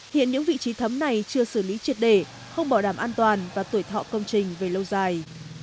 hiện những vị trí thấm này chưa xử lý triệt để không bảo đảm an toàn và tuổi thọ công trình về lâu dài